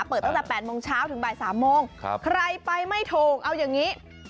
เปิดตั้งแต่๘โมงเช้าถึงบ่าย๓โมงใครไปไม่ถูกเอาอย่างนี้